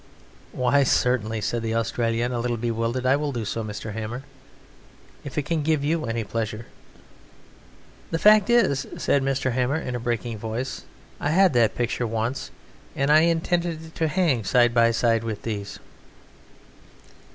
"Why, certainly," said the Australian, a little bewildered; "I will do so, Mr. Hammer, if it can give you any pleasure." "The fact is," said Mr. Hammer, in a breaking voice, "I had that picture once, and I intended it to hang side by side with these."